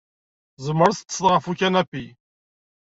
Tzemreḍ ad teṭṭseḍ ɣef ukanapi.